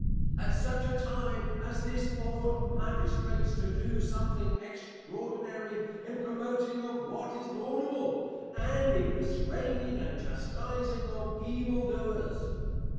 At such a time as this ought Magistrates to do something extraordinary in promoting of what is laudable, and in restraining and chastising of Evil Doers.